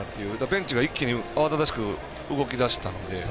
ベンチが一気に慌ただしく動き出したので。